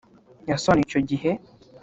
yasobanuye icyo gihe